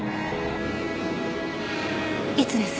いつです？